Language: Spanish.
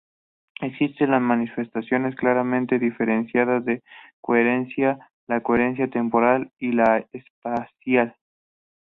Existen dos manifestaciones claramente diferenciadas de coherencia: la coherencia temporal y la espacial.